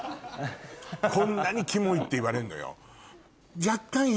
こんなにキモいって言われんのよ。